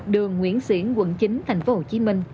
đường nguyễn siễn quận chín tp hcm